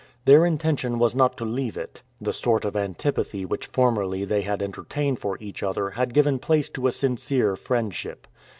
Their intention was not to leave it. The sort of antipathy which formerly they had entertained for each other had given place to a sincere friendship.